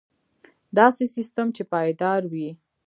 داسې سیستم چې پایدار وي.